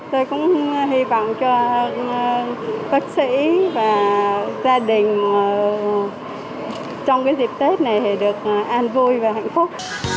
tôi cũng hy vọng cho bác sĩ và gia đình trong cái dịp tết này được an vui và hạnh phúc